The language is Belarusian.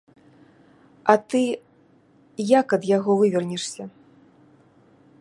А ты як ад яго вывернешся?